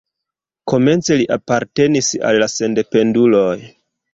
Komence li apartenis al la sendependuloj.